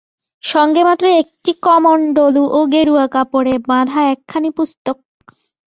সঙ্গে মাত্র একটি কমণ্ডলু ও গেরুয়া কাপড়ে বাঁধা একখানি পুস্তক।